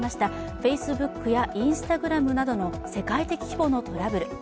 ＦａｃｅｂｏｏｋやＩｎｓｔａｇｒａｍなどの世界的規模のトラブル。